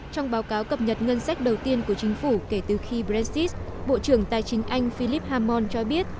trong báo cáo cập nhật ngân sách đầu tiên của chính phủ kể từ khi brexit bộ trưởng tài chính anh philip hammon cho biết